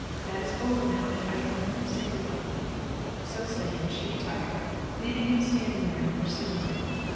That is over now, and I can only say good bye." So saying, she retired, leaving him standing there in her sitting room.